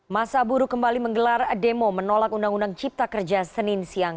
masa buruh kembali menggelar demo menolak undang undang cipta kerja senin siang